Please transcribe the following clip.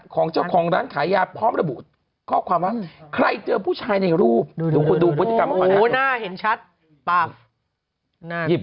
ของเจ้าของร้านขายยาพร้อมระบุข้อความว่าใครเจอผู้ชายในรูปดูคุณดูพฤติกรรมเมื่อก่อนนะ